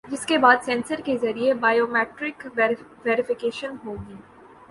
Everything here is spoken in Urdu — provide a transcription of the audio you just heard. جس کے بعد سینسر کے ذریعے بائیو میٹرک ویری فیکیشن ہوگی